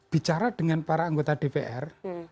bicara dengan para anggota dpr